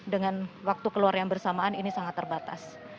dengan waktu keluar yang bersamaan ini sangat terbatas